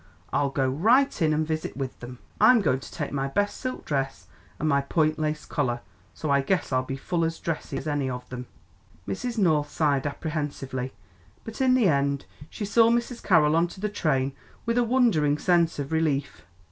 I'll go right in and visit with them. I'm going to take my best silk dress and my point lace collar, so I guess I'll be full as dressy as any of 'em." Mrs. North sighed apprehensively, but in the end she saw Mrs. Carroll onto the train with a wondering sense of relief.